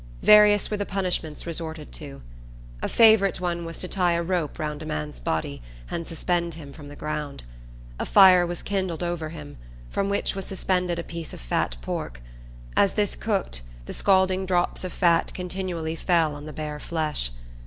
Various were the punishments resorted to. A favorite one was to tie a rope round a man's body, and suspend him from the ground. A fire was kindled over him, from which was suspended a piece of fat pork. As this cooked, the scalding drops of fat continually fell on the bare flesh.